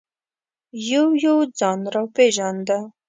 یو یو ځان را پېژانده.